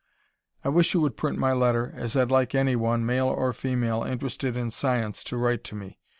I wish you would print my letter, as I'd like any one, male of female, interested in science to write to me.